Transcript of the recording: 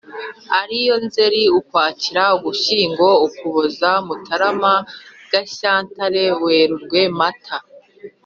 ari yo : nzeri, ukwakira, ugushyingo, ukuboza, mutarama, gashyantare, werurwe, mata,